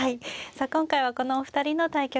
さあ今回はこのお二人の対局です。